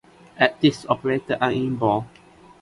Active operators are in bold.